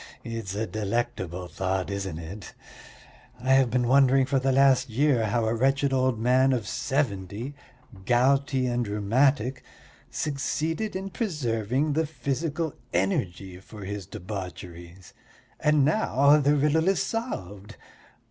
It's a delectable thought, isn't it? I have been wondering for the last year how a wretched old man of seventy, gouty and rheumatic, succeeded in preserving the physical energy for his debaucheries and now the riddle is solved!